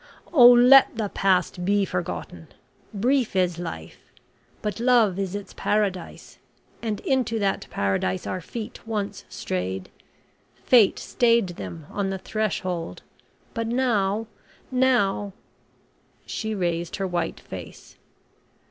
Oh, let the past be forgotten! Brief is life, but love is its Paradise, and into that Paradise our feet once strayed. Fate stayed them on the threshold. But now now " She raised her white face.